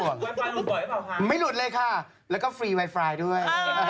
หลุดบ่อยหรือเปล่าคะไม่หลุดเลยค่ะแล้วก็ฟรีไวไฟด้วย